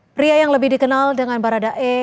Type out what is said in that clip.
pria yang lebih dikenal dengan barada e